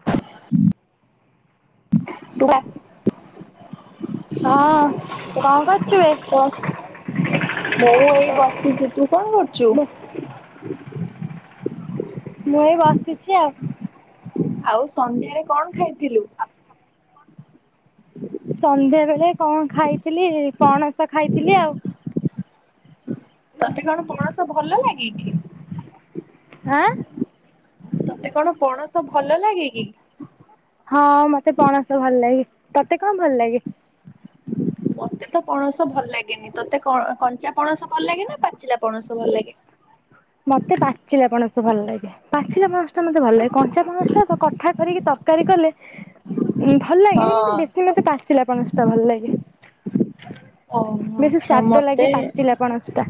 [inaudible] ସୁଆ। ହଁ କଣ କଣ କରୁଚୁ? ମୁଁ ଏଇ ବସିଛି ତୁ କଣ କରୁଛୁ? ମୁଁ ମୁଁ ଏଇ ବସିଛି ଆଉ। ଆଉ ସନ୍ଧ୍ୟାରେ କଣ ଖାଇଥିଲୁ? [inaudible] ସନ୍ଧ୍ୟାବେଳେ କଣ ଖାଇଥିଲି? ପଣସ ଖାଇଥିଲି ଆଉ। ତୋତେ କଣ ପଣସ ଭଲ ଲାଗ କିି? ଆଁ ତତେ କଣ ପଣସ ଭଲ ଲାଗେ କି? ହଁ ମୋତେ ପଣସ ଭଲ ଲାଗେ, ତୋତେ କଣ ଭଲ ଲାଗେ? ମତେ ତ ପଣସ ଭଲ ଲାଗେନି ତୋତେ କଣ କଞ୍ଚା ପଣସ ଭଲ ଲାଗେ ନା ପାଚିଲା ପଣସ ଭଲ ଲାଗେ। ମତେ ପାଚିଲା ପଣସ ଭଲ ଲାଗେ। ପାଚିଲା ପଣସ ଟା ମତେ ଭଲ ଲାଗେ, କଞ୍ଚା ପଣସ ଟା କଠା କରିକି ତରକାରୀ କଲେ ଉଁ ଭଲ ଲାଗେ କିନ୍ତୁ ହଁ ବେଶୀ ମତେ ପାଚିଲା ପଣସଟା ଭଲ ଲାଗେ। ଓହୋ ବେଶୀ ଆଚ୍ଛା ସ୍ଵାଦ ମତେ ଲାଗେ ପାଚିଲା ପଣସ ଟା।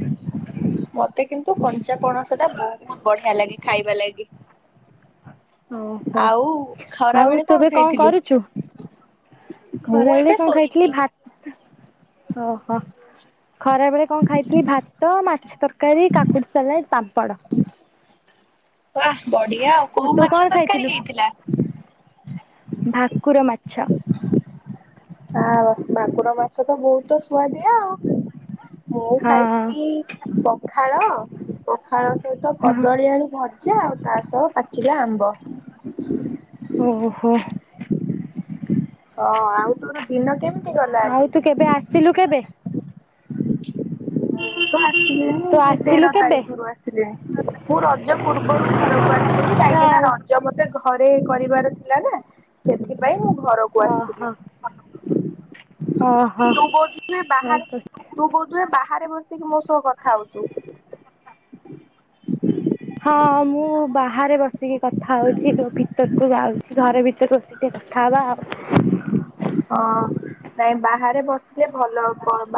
ମତେ କିନ୍ତୁ କଞ୍ଚା ପଣସ ଟା ବହୁତ ବଢିଆ ଲାଗେ ଖାଇବା ଲାଗି। ଓହୋ ଆଉ ଖରା ଆଉ ବେଳେ ତୁ ଏବେ କଣ ଖାଇଥିଲୁ? କରୁଛୁ? ମୁଁ ଖରା ବେଳେ ଏବେ କଣ ଖାଇଥିଲି ଶୋଇଛି। ଭା ଓହୋ ଖରା ବେଳେ କଣ ଖାଇଥିଲି ଭାତ ମାଛ ତର କାରି କାକୁଡି, ସାଲାଡ଼୍, ପାମ୍ପଡ଼। ୱା ବଢିଆ ଆଉ। ଆଉ କୋଉ ତୁ ମାଛ କଣ ତରକାରୀ ଖାଇଥିଲୁ? ହେଇଥିଲା? ଭାକୁର ମାଛ। ଆ ବାସ୍ ଭାକୁର ମାଛ ତ ବହୁତ ସୁଆଦିଆ ଆଉ। ମୁଁ ହଁ ଖାଇଥିଲି ପଖାଳ ପଖାଳ ସହିତ ହଁ। କଦଳୀ ଆଳୁ ଭ ଜା ଆଉ ତା ସହ ପାଚିଲା ଆମ୍ବ। [inaudible] ଓ ହୋ। ହଁ ଆଉ ତୋର ଦିନ କେମିତି? ଗଲା ଆଜି? ଆଉ ତୁ କେବେ ଆସିଲୁ କେବେ? ମୁଁ ତ ତୁ ଆସିଲିଣି ଆସିଲୁ ତେର କେବେ? ତାରିଖରୁୁ ଆସି ମୁଁ ରଜ ପୂର୍ବରୁ ଘରକୁ ଆସିଥିଲି କାହିଁକି ନା ଓହୋ ରଜ ମତେ ଘରେ କରିବାର। ଥିଲା ନା ସେଥିପାଇଁ ମୁଁ ଘରକୁ ଥିଲୁ ଓହୋ। ବଧୁ ବାହାରେ ତୁ କହୁଥୁଲୁ ଏ ବାହାରେ ବସିକି ମୋ ସହ କଥା ହଉଛୁ? ହଁ ମୁଁ ବାହାରେ ବସିକି କଥା ହଉଛି ଭିତରକୁ ଯାଉଛି ଘରେ ଭିତରେ ବସି‌। ଦେଖା ହେବା। ହଁ। ନାଇଁ ବାହାରେ ବସିଲେ ଭଲ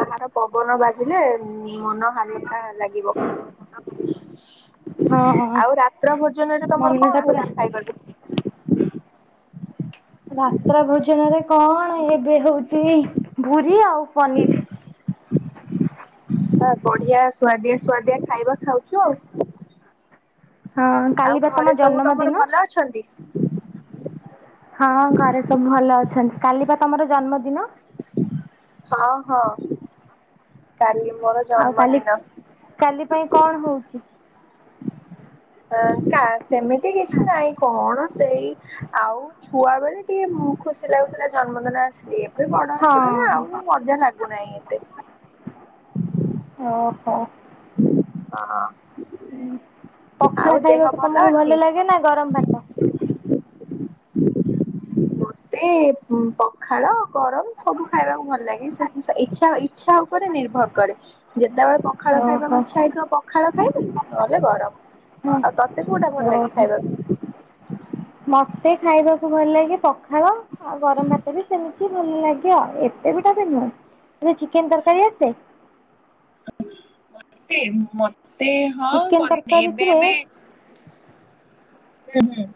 ବାହାର ପବନ ବାଜିଲେ ମନ ହାଲକା ଲାଗେ। ଥିବ ହଁ ହଁ ଆଉ ରାତ୍ର ଭୋଜନରେ ତମର ମନଟା କଣ ପୁରା ହଉଛି ଖାଇବାକୁ? ରାତ୍ର ଭୋଜନରେ କଣ ଏବେ ହଉଛି ପୂରି ଆଉ ପନିରୀ। ବଢିଆ ସୁଆଦିଆ ସୁଆଦିଆ ଖାଇବା ଖାଉଛୁ ଆଉ। ହଁ ଆଉ କାଲି ବା ତମ ଘରେ ସବୁ ତମର ଜନ୍ମଦିନ। ଭଲ ଅଛନ୍ତି? ହଁ ଘରେ ସବୁ ଭଲ ଅଛନ୍ତି କାଲି ବା ତମର ଜନ୍ମଦିନ? ହଁ ହଁ କାଲି ମୋର ଆଉ କାଲି ଜନ୍ମଦିନ। କାଲି ପାଇଁ କଣ ହଉଛି? ଅ କା ସେମିତି କିଛି ନାହିଁ କଣ। ସେଇ ଆଉ ଛୁଆ ବେଳେ ଟିକେ ଖୁସି ଲାଗୁଥିଲା ଜନ୍ମଦିନ ଆସିଲି। ଏବେ ବଡ ହେଇଗଲେ ନା ହଁ। ଆଉ ମଜା ଲାଗୁନାହିଁ ଏତେ। ଅ ହଁ। ନାଁ ହୁଁ ପଖାଳ ଖାଇବାକୁ ତମକୁ ଭଲ ଲାଗେ ନା ଗରମ ଭାତ? ମୋତେ ହୁଁ ପ ପଖାଳ ଗରମ ସବୁ ଖାଇବାକୁ ଭଲ ଲାଗେ ସେ। ଇଛା ଇଚ୍ଛା ଉପରେ ନିର୍ଭର କରେ ଯେତେବେଳେ ପଖାଳ ଓହୋ। ଖାଇବାକୁ ଇଚ୍ଛା ହେଇଥିବ ପ ପଖାଳ ଖାଇବି ନହେଲେ ଗରମ ହଁ। ଆଉ ତତେ କୋଉଟା ଭଲ ଲାଗେ ଓହୋ। ଖାଇବାକୁ? ମତେ ଖାଇବାକୁ ଭଲ ଲାଗେ ପଖାଳ ଆଉ ଗରମ ଭାତ ବି ସେମିତି। ଭଲ ଲାଗେ ଆଉ ଏତେ ବି ଟା ନୁହଁ ଚିକେନ ତରକାରୀ ଆସେ? ମତେ ମତେ ହଁ ଚିକେନ ମୋତେ ଏବେ ଏବେ ତରକାରୀଥିରେ ହୁଁ ହୁଁ।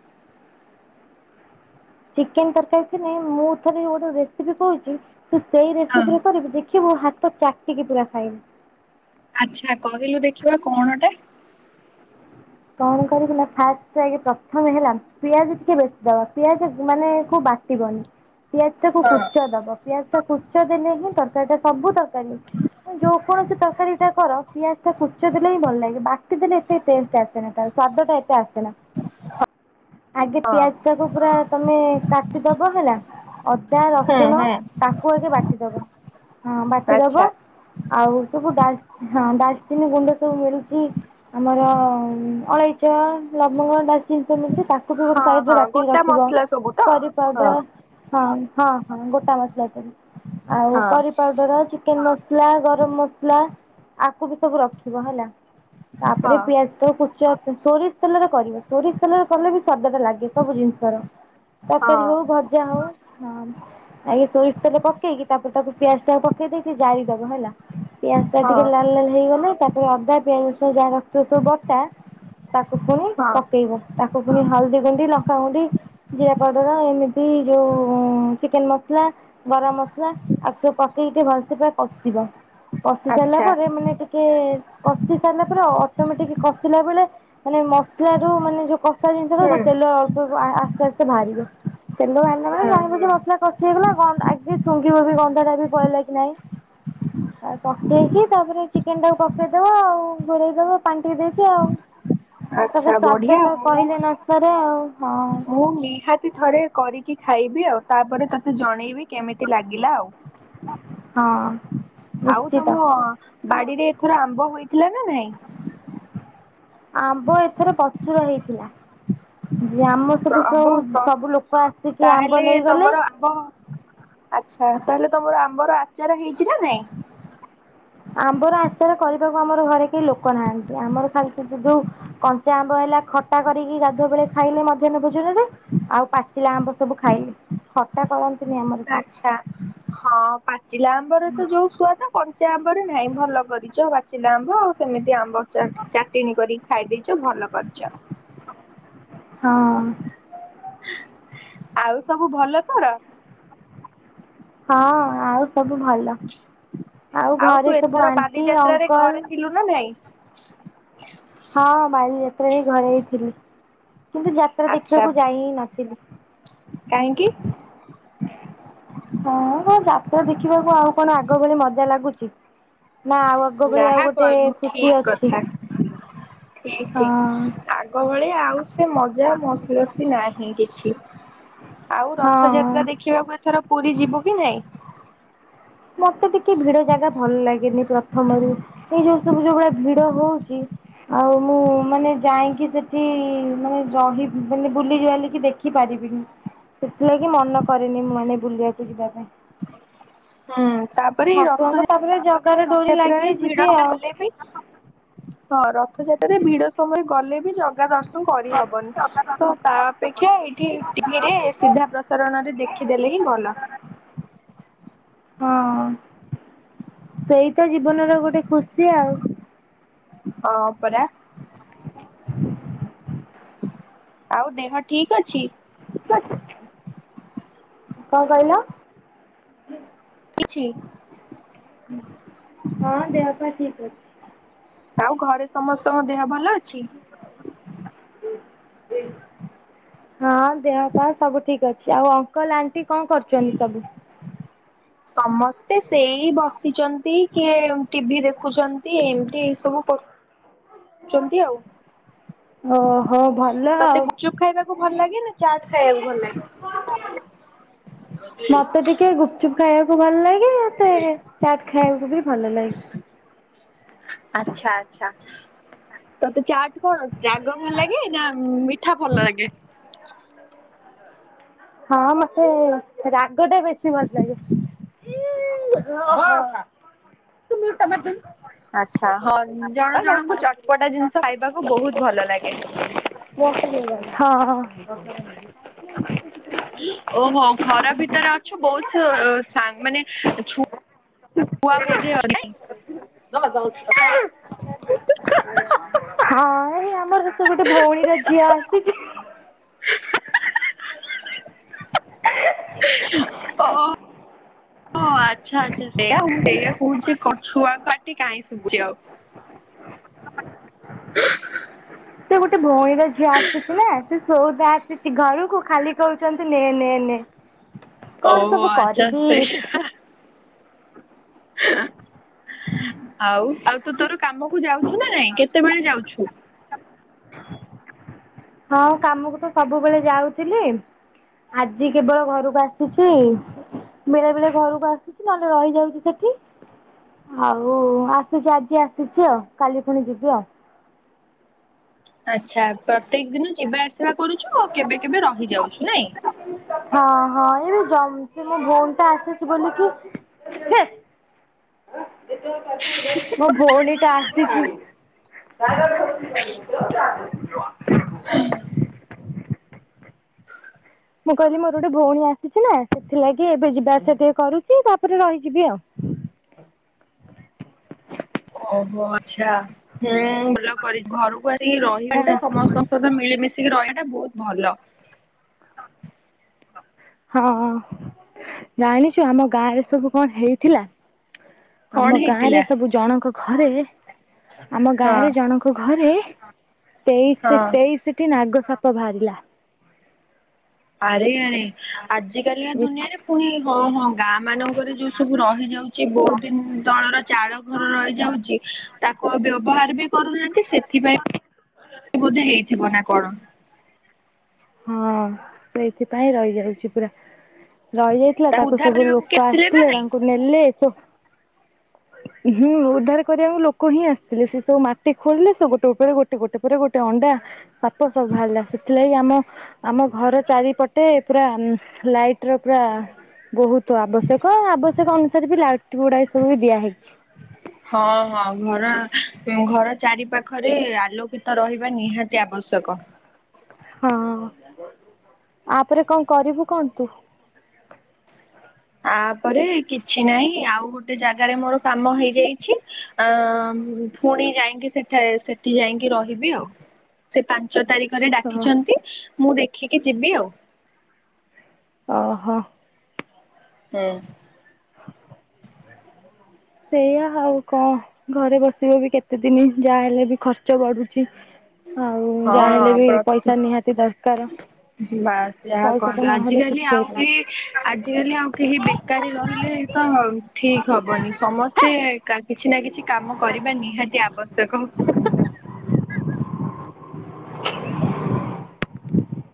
ଚିକେନ ତରକାରୀ ଥିଲେ ମୁଁ ଥରେ ଗୋଟେ ରେସିପି କହୁଛି ତୁ ସେଇ ହଁ ରେସିପିରେ କରିବି ଦେଖିବୁ ହାତ ଚାଟିକି ପୁରା ଖାଇବୁ। ଆଚ୍ଛା କହିଲୁ ଦେଖିବା କଣଟା? କଣ କରିବୁ ନା ଫାଷ୍ଟ ଆ ପ୍ରଥମେ ହେଲା ପିଆଜ ଟିକେ ବେଶି ଦବା ପିଆଜ ମାନେ ବା କଟିବନି ପିଆଜ ଟାକୁ ହଁ କୁଚ ଦବ ପିଆଜ ଟା କୁଚ ଦେଲେ ହିଁ ତରକାରୀ ଟା ସବୁ ତରକାରୀ। ଯ ଯେଉ କୌଣସି ତରକାର ଏଇଟା କର ପିଆଜ ଟା କୁଚ ଦେଲେ ହିଁ ଭଲ ଲାଗେ ବାକି ଦିନ ଏତେ ଟେଷ୍ଟ ଆସ। [inaudible] ସ୍ବାଦଟା ଏତେ ଆସେନା। ଆଗେ ହଁ ପିଆଜ ଟାକୁ ପୁରା ତମେ କାଟିଦବ ହେଲା। ଅଦା ହୁଁ ରସୁଣ ହୁଁ ତାକୁ ଆଗେ ବାଟିଦବ ହଁ ବାଟିଦବ। ଆଚ୍ଛା ଆଉ ସବୁ ଡାଲଁ ଡାଲଚିନି ଗୁଣ୍ଡ ସବୁ ମିଳୁଛି ଆମର ହଁ ଅଳେଇଚ ଲବଙ୍ଗ ଡାଳ ଚିନି ଜିନିଷ ମିଳୁଚି ତାକୁ କି ଗୋଟେ ହଁ ସାଇଡରେ ହଁ ବାଟିକି ଗୋଟା ରଖିବ ମସଲା ସବୁ ତ? କରି ହଁ ପାଉଡର ହଁ ହଁ ହଁ ଗୋଟା ମସଲାବ ଆଉ ହଁ କରି ପାଉଡର ଅଛି। ଚେ ମସଲା ଗରମ ମସଲା ଆକୁ ବି ସବୁ ରଖିବ ହେଲା ତାପରେ ହଁ ପିଆଜ ତଚ ସୋରିଷ ତେଲରେ କରିବ ସୋରିଷ ତଲରେ କଲେ ବି ସାଦଟା ଲାଗିବ। ସେ ସବୁ ଜିନିଷର ହଁ ତରକାରୀ ହଉ ଭଜା ହଉ ହଁ। ଆଗେ ସୋରିଷ ତେଲେ ପକେଇକି ତାପରେ ତାକୁ ପିଆଜ ଟା ପକେଇ ଦେଇକି ଜାଳିଦବ ହେଲା। ପିଆଜ ଟା ହଁ ଟିକେ ଲାଲ ଲାଲ ହେଇଗଲା ତାପରେ ଅଦା ପିଆଜ ଯାହା ରଖିବ ସବୁ ବଟା ତାକୁ ପୁଣି ହଁ ପକେଇବ ତାକୁ ପୁଣି ହଳଦୀ ଗୁଣ୍ଡି ଲଙ୍କା ଗୁଣ୍ଡି ଜିରା ପାଉଡର ଏମିତି ଯୋଉ ଚିକେନ ମସଲା ଗରମ ମସଲା ଆଉ ସବୁ ପକେଇକି ଭଲସେ ପୁରା କଷିବ କଷି ସାରିଲା ଆଚ୍ଛା ପରେ ମାନେ ଟିକେ କଷି ସାରିଲା ପରେ ଅଟୋମେଟିକ କଷିଲା ବେଳେ ମାନେ ମସଲା ରୁ ମାନେ ଯୋଉ କଷା ହୁଁ ଜିନିଷଟା ତେଲ ଅଳ୍ପ ଅଳ୍ପ ଆସ୍ତେ ଆସ୍ତେ ବାହାରିବ ତେଲ ଭାଲା ମାନେ ଜାଣିବୁ ହୁଁ ଯେ ମସଲା କଷି ହେଇଗଲା ଗ ଆଗେ ଶୁଙ୍ଘିବ ବି ଗନ୍ଧ ଟା ବି ବଳ ଲାଗି ନହିଁ। [inaudible] ତାପ ପକେଇଛି ତାପରେ ଚିକେନ ଟାକୁ ପକେଇଦବା ଆଉ ଘୋଡେଇଦବ ପାଣି ଟିକ ଦେଇଛି ଆଉ। ଆଛା ତାପରେ ବଢିଆ ସ୍ୱାଦ ତ ମୁଁ କହିଲେ ନ ସରେ ଆଉ ହଁ ମୁଁ ନିହାତି ଥରେ କରିକି ଖାଇବି ଆଉ ତାପରେ ତତେ ଜଣେଇବି କେମିତି ଲାଗିଲା ଆଉ। ହଁ ଆଉ ନିଶ୍ଚିତ ତମଅ ବାଡିରେ ଏଥର ଆମ୍ବ ହୋଇଥିଲା ନା ନାଇଁ? ଆମ୍ବ ଏଥର ପ୍ରଚୁର ହେଇଥିଲା। ଜାଆମ ସତୁ ସବୁ ଆମ୍ବ ସବୁ ଲୋକ ଆସିକି ଆମ୍ବ ନେଇଗଲେ ହଁ ଆଛା ତାହେଲେ ତମର ଆମ୍ବର ଆଚାର ହେଇଛି ନା ନାଇଁ? ଆମ୍ବର ଆଚାର କରିବାକୁ ଆମର ଘରେ କେହି ଲୋକ ନାହାନ୍ତି ଆମର ଖାଲି ଯୋଉ କଞ୍ଚା ଆମ୍ବ ହେଲା ଖଟା କରିକି ଗାଧୁଆ ବେଳେ ଖାଇଲେ ମଧ୍ୟାହ୍ନ ଭୋଜନ ରେ ଆଉ ପାଚିଲା ଆମ୍ବ ସବୁ ଖାଇଲେ ଖଟା କରନ୍ତିନି ଆମର କେଇ। ଆଚ୍ଛା। ହଁ ପାଚିଲା ଆମ୍ବର ତ ଯୋଉ ଶୁଆଦ କ ଞ୍ଚା ଆମ୍ବରେ ନାଇଁ ଭଲ କରିଛ ପାଚିଲା ଆମ୍ବ ଆଉ ସେମିତି ଆମ୍ବ ଚାଟଣୀ କରି ଖାଇ ଦେଇେଛ ଭଲ କରିଛ। ହଁ। ଆଉ ସବୁ ଭଲ ତର? ହଁ ଆଉ ସବୁ ଭଲ ଆଉ ତୁ ଘରେ ସବୁ ଏଥର ଆଣ୍ଟି ବାଲିଯାତ୍ରାରେ ଅଙ୍କଲ ଘରେ ଥିଲୁ ନା ନାଇଁ ହଁ ବାଲିଯାତ୍ରା ରେ ଘରେ ହ ଥିଲି। କିନ୍ତୁ ଯାତ୍ରା ଆଚ୍ଛା ଦେଖିବାକୁ ଯାଇ ହି କାହିଁକି? ନଥିଲି। ହଁ ଯାତ୍ରା ଦେଖିବାକୁ ଆଉ କଣ ଆଗ ଭଳି ମଜା ଲାଗୁଛି। ନା ଆଉ ଆଗ ଭଳି ଆଉ ଯାହା ଗୋଟେ କହିଲୁ ଖୁସି ଠିକ ଅଛି। [inaudible] ଠିକ ହଁ ଠିକ ଆଗ ଭଳିଆ ଆଉ ସେ ମଜା ମସି ବସି ନାହିଁ କିଛି। [unintelligible] ଆଉ ହଁ ରଥଯାତ୍ରା ଦେଖିବାକୁ ଏଥର ପୁରୀ ଯିବୁ କି ନାଇଁ? ମତେ ଟିକେ ଭିଡ ଜାଗା ଭଲ ଲାଗେନି ପ୍ରଥମରୁ ଏଇ ଯୋଉ ସବୁ ଯୋଉ ଭଳିଆ ଭିଡ ହଉଛି। ଆଉ ମୁଁ ମାନେ ଯାଇକି ସେଠି ମାନେ ରହି ମାନେ ବୁଲିବାଲିକି ଦେଖି ଦେଖ ପାରିବିନି ସେଥିଲାଗି ମନ କରେନି ମୁଁ ମାନେ ବୁଲିବାକୁ ଯିବା ପାଇଁ। ହୁଁ ତା ଠାକୁରଙ୍କ ତାପରେ ଜଗାର ଡୋରି ଲାଗିଲେ ଭିଡ ଯିବି ସମୟ ଆଉ। ଗଲେ ବି ହଁ ରଥଯାତ୍ରାରେ ଭିଡ ସମୟରେ ଗଲେ ବି ଜଗା ଦର୍ଶନ କରିହବନି ତ ତା ଅପେକ୍ଷା ଏଇଠି ଟିଭିରେ ସିଧା ପ୍ରସାରଣ ରେ ଦେଖିଦେଲେ ହିଁ ଭଲ। ହଁ। ସେଇ ତ ଜୀବନର ଗୋଟେ ଖୁସି ଆଉ। ହଁ ପରା। ଆଉ ଦେହ ଠିକ ଅଛି? ସେ, କଣ କହିଲ? କିଛି ହଁ ଦେହ ପା ଠିକ ଅଛି। ଆଉ ଘରେ ସମସ୍ତଙ୍କ ଦେହ ଭଲ ଅଛି? [unintelligible] ହଁ ଦେହ ପା ସବୁ ଠିକ୍ ଅଛି, ଆଉ ଅଙ୍କଲ୍, ଆଣ୍ଟି କଣ କରୁଚନ୍ତି ସବୁ? ସମସ୍ତେ ସେଇ ବସିଛନ୍ତି, କିଏ ଟିଭି ଦେଖୁଛନ୍ତି ଏମତି ଏଇ ସବୁ କର ଚନ୍ତି ଆଉ। ଓହୋ ଭଲ ତୋତେ ଆଉ। ଗୁଚୁପ ଖାଇବାକୁ ଭଲ ଲାଗେ ନା ଚାଟ୍ ଖାଇବାକୁ ଭଲ ଲାଗେ? [inaudible] ମୋତେ ଟିକେ ଗୁପଚୁପ୍ ଖାଇବାକୁ ଭଲ ଲାଗେ ତରେ ଚାଟ୍ ଖାଇବାକୁ ବି ଭଲ ଲାଗେ। ଆଚ୍ଛା ଆଚ୍ଛା, ତୋତେ ଚାଟ୍ ତୁ କଣ ରାଗ ଭଲ ଲାଗେ ନା ମିଠା ଭଲ ଲାଗେ? ହଁ, ମୋତେ ରାଗ ଟା ବେଶୀ ଭଲ ଲାଗେ। ତୁ ମ୍ୟିଉଟ୍ ଟା ମାରଦଉନୁ। ଆଚ୍ଛା ହଁ ଜଣ ଜଣଙ୍କୁ ଚଟପଟା ଜିନିଷ ଖାଇବାକୁ ବହୁତ ଭଲ ଲାଗେ। ହଁ। ଓହୋ, ଘର ଭିତରେ ଅଛୁ, ବହୁତ ସୋ ଅ, ସାଙ୍ଗ ମାନେ ଛୁ ଛୁଆ ବୋଧେ [inaudible] [unintelligible] ହଁ, ଏ ଆମର ସେ ଗୋଟେ ଭଉଣୀର ଝିଅ ଆସିଚି। ଓ ହଁ ଆଚ୍ଛା ଆ ସେଇଆ ମୁଁ ସେଇଆ କହୁଛି କ ଛୁଆ ପାଟି କାହିଁ ଶୁଭୁଛି ଆଉ। ସେ ଗୋଟେ ଭଉଣୀର ଝିଅ ଆସିଥିଲା ସେ ସଉଦା ଆସିଛି ଘରକୁ ଖାଲି କହୁଛନ୍ତି ନେ, ନେ, ନେ। କଣ ଓହୋ ସବୁ ଆଚ୍ଛା କରିବି। ସେ ଆଉ, ଆଉ ତୁ ତୋର କାମକୁ ଯାଉଛୁ ନା ନାଇଁ କେତେବେଳେ ଯାଉଛୁ? ହଁ, କାମକୁ ତ ସବୁବେଳେ ଯାଉଥିଲି। ଆଜି କେବଳ ଘରକୁ ଆସିଛି। ବେଳେ ବେଳେ ଘରକୁ ଆସୁଛି, ନହେଲେ ରହିଯାଉଛି ସେଠି। ଆଉ ଆସୁଛି ଆଜି ଆସିଛି ଆଉ, କାଲି ପୁଣି ଯିବି ଆଉ। ଆଚ୍ଛା ପ୍ରତ୍ୟେକ ଦିନ ଯିବା ଆସିବା କରୁଛୁ, ଆଉ କେବେ କେବେ ରହିଯାଉଛୁ ନାଇଁ? ହଁ, ହଁ ଏବେ ଜମଛି ମୋ ଭଉଣୀ ଟା ଆସିଛି ବୋଲିକି ହେ ମୋ ଭଉଣୀ ଟା ଆସିଛି। ମୁଁ କହିଲି ମୋର ଗୋଟେ ଭଉଣୀ ଆସିଛି ନା ସେଥିଲାଗି ଏବେ ଯିବା ଆସିବା ଟିକେ କରୁଛି ତାପରେ ରହିଯିବି ଆଉ। [inaudible] ଓହୋ, ଆଚ୍ଛା ହେଁ ଭଲ କରିି ଘରକୁ ଆସିକି ରହିବାଟା ସମସ୍ତ ସହିତ ମିଳିମିଶିକି ରହିବାଟା ବହୁତ ଭଲ। ହଁ, ଜାଣିଛୁ ଆମ ଗାଁ ରେ ସବୁ କଣ ହେଇଥିଲା? କଣ ଆମ ଗାଁ ରେ ହେଇଥିଲା? ସବୁ ଜଣଙ୍କ ଘରେ, ଆମ ହଁ ଗାଁରେ ଜଣଙ୍କ ଘରେ ତେଇଶି ହଁ ତେଇଶି ଟି ନାଗ ସାପ ବାହାରିଲା। ଆରେ ଆରେ ଆଜିିକାଲିଆ ଦୁନିଆରେ ପୁଣି ହଁ ହଁ ଗାଁ ମାନଙ୍କରେ ଯୋଉ ସବୁ ରହିଯାଉଛି ବହୁଦିନ ତଳର ଚାଳ ଘର ରହିଯାଉଛି ତାକୁ ବ୍ୟବହାର ବି କରୁନାହାନ୍ତି ସେଥିପାଇଁ ହ [inaudible] ବୋଧେ ହେଇଥିବ ନା କଣ। ହଁ, ସେଇଥିପାଇଁ ରହିଯାଉଛି ପୁରା। ରହିଯାଇଥିଲା ତାକୁ ଉଦ୍ଧାର ସବୁ କରିବାକୁ କିଏ ଲୋକ ନା ଆସିଥିଲେ ନାଇଁ? ତାଙ୍କୁ ନେଲେ ଚ ହୁଁ ଉଦ୍ଧାର କରିବାକୁ ଲୋକ ହିଁ ଆସିଥିଲେ ସେ ସବୁ ମାଟି ଖୋଳିଲେ ସ ଗୋଟେ ଉପରେ ଗୋଟେ ଗୋଟେ ପରେ ଗୋଟେ ଅଣ୍ଡା ସାପ ସବୁ ବାହାରିଲା ସେଥିଲାଗି ଆମ ଆମ ଘର ଚାରିପଟେ ପୁରା ଲାଇଟ ର ପୁରା ବହୁତ ଆବଶ୍ୟକ, ଆବଶ୍ୟକ ଅନୁସାରେ ବି ଲାଇଟ୍ ଗୁଡିଏ ସବୁ ବି ଦିଆହଇଛି। ହଁ ହଁ ଘର ଘର ଚାରି ପାାଖରେ ଆଲୋକିତ ରହିବା ନିହାତି ଆବଶ୍ୟକ। ହଁ ଆପରେ କଣ କରିବୁ କଣ ତୁ? ଆପରେ କିଛି ନାହିଁ ଆଉ ଗୋଟେ ଜାଗାରେ ମୋର କାମ ହେଇଯାଇଛି। ଅ ଫୁଣି ଯାଇକି ସେଠାରେ ସେଠି ଯାଇକି ରହିବି ଆଉ। ହଁ [inaudible] ସେ ପାଞ୍ଚ ତାରିଖରେ ଡାକିଛନ୍ତି ମୁଁ ଦେଖିକି ଯିବି ଆଉ। ଅହ। ହୁଁ। ସେଇଆା ଆଉ କଁ ଘରେ ବସିବ ବି କେତେ ଦିନି ଯାହା ହେଲେ ବି ଖର୍ଚ୍ଚ ବଢୁଚି। ଆଉ ହଁ ଯାହେଲେ ବି ପ୍ରତି ପଇସା ନିହାତି ଦରକାର। ବାସ୍ ଯାହା ପଇସା ତ କହିଲ ନହେଲେ ଆଜିକାଲି କିଛି ଆଉ ହେଇପାରୁନି। କେହି ଆଜିକାଲି ଆଉ କେହି ବେକାରୀ ରହିଲେ ତ ଠିକ ହବନି ସମସ୍ତେ କା କିଛି ନା କିଛି କାମ କରିବା ନିହାତି ଆବଶ୍ୟକ। [inaudible]